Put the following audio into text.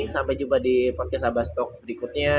sampai jumpa di podcast aba stock berikutnya